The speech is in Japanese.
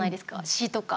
詩とか。